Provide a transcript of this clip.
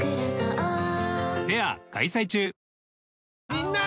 みんな！